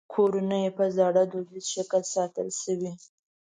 کورونه یې په زاړه دودیز شکل ساتل شوي.